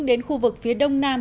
đến khu vực phía đông nam